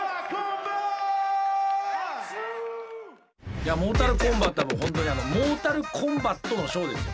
いやモータルコンバットはもう本当にモータルコンバットのショーですよ。